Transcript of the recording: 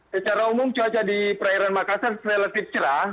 secara umum cuaca di perairan makassar relatif cerah